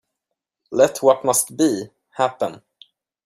Let what must be, happen.